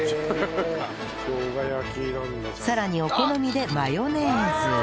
さらにお好みでマヨネーズ